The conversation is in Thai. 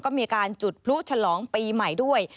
ก็มีการจุดพลุฉลองปีใหม่ด้วย